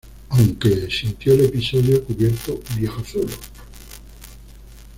Aunque, sintió el episodio cubierto viejo suelo.